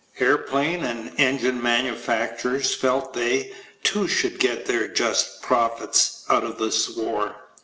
Airplane and engine manufacturers felt they, too, should get their just profits out of this war.